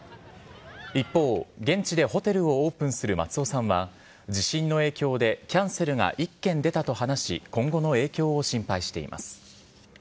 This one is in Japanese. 一方、現地でホテルをオープンする松尾さんは、地震の影響でキャンセルが１件出たと話し、今後の影響を心配しています。